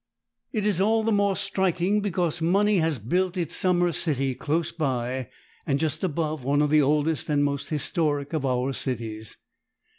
It is all the more striking because money has built its summer city close by and just above one of the oldest and most historic of our cities.